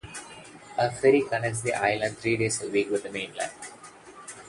A ferry connects the island three days a week with the mainland.